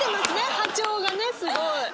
波長がねすごい。